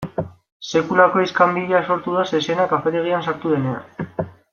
Sekulako iskanbila sortu da zezena kafetegian sartu denean.